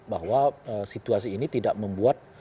bahwa situasi ini tidak membuat